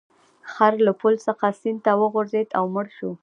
خر له پل څخه سیند ته وغورځید او مړ شو.